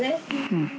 うん。